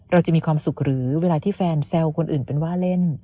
เราจะมีความสุขหรือเวลาที่แฟนแซวคนอื่นเป็นว่าเล่น